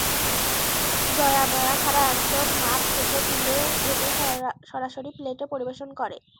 দয়ামায়া ছাড়া একদম মাঠ থেকে তুলে এনে সরাসরি প্লেটে পরিবেশন করে।